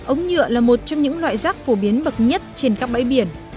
ống nhựa là một trong những loại rác phổ biến bậc nhất trên các bãi biển